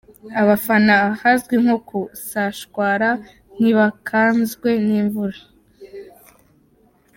Abafana ahazwi nko ku Sashwara ntibakanzwe n’imvura.